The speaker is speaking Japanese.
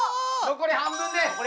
残り半分。